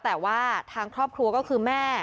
แต่ว่าทางครอบครัวก็คือแม่